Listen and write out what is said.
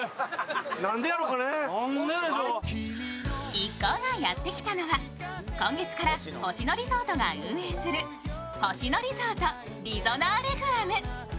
一行がやってきたのは、今月から星野リゾートが運営する星野リゾートリゾナーレグアム。